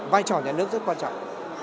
vai trò nhà nước rất quan trọng